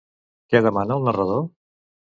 Què demana el narrador?